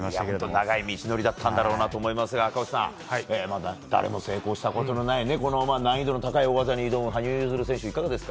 長い道のりだったんだろうなと思いますが赤星さん誰も成功したことの難度の高い大技に挑む羽生結弦選手いかがですか？